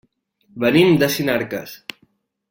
Venim de Sinarques.